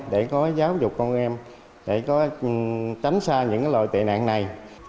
để có giáo dục con em để có tránh xa những loại tệ nạn này